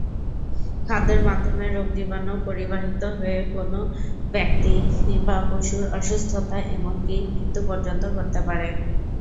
খাদ্যের মাধ্যমে রোগজীবাণু পরিবাহিত হয়ে কোনও ব্যক্তি বা পশুর অসুস্থতা এমনকি মৃত্যু পর্যন্ত ঘটতে পারে।